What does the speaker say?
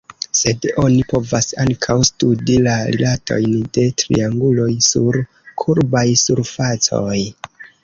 Sed oni povas ankaŭ studi la rilatojn de trianguloj sur kurbaj surfacoj.